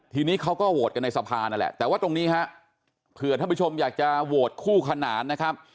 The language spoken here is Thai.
ทีนี้เขาก็โหวตกันในสภานั่นแหละแต่ว่าตรงนี้ฮะเผื่อท่านผู้ชมอยากจะโหวตคู่ขนานนะครับ